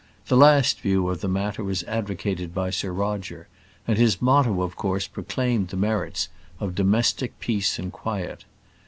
The last view of the matter was advocated by Sir Roger, and his motto of course proclaimed the merits of domestic peace and quiet.